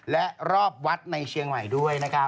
และรอบวัดในเชียงใหม่ด้วยนะครับ